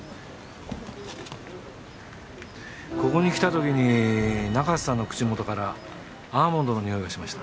ここに来たときに中瀬さんの口元からアーモンドのにおいがしました。